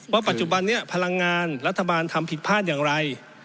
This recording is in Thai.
ปัจจุบันนี้พลังงานรัฐบาลทำผิดพลาดอย่างไร